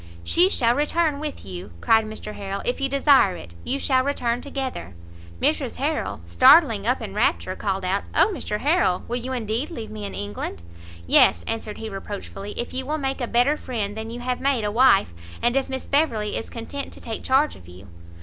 "She shall return with you," cried Mr Harrel, "if you desire it; you shall return together." Mrs Harrel, starting up in rapture, called out "Oh Mr Harrel, will you indeed leave me in England?" "Yes," answered he reproachfully, "if you will make a better friend than you have made a wife, and if Miss Beverley is content to take charge of you."